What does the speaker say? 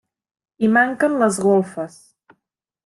Hi manquen les golfes.